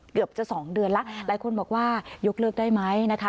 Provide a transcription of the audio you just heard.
เกือบจะสองเดือนแล้วหลายคนบอกว่ายกเลิกได้ไหมนะคะ